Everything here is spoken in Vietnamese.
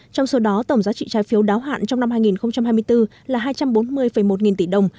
trong số đó tổng giá trị trái phiếu đáo hạn trong năm hai nghìn hai mươi bốn là hai trăm bốn mươi một nghìn tỷ đồng